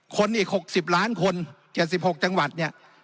คนอีก๖๐ล้านคน๗๖จังหวัดเนี่ย